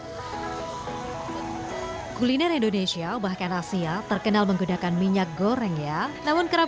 hai kuliner indonesia bahkan asia terkenal menggunakan minyak goreng ya namun kerap